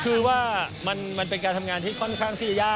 คือว่ามันเป็นการทำงานที่ค่อนข้างที่จะยาก